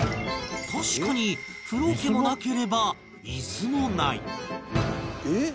確かに風呂桶もなければイスもないえっ？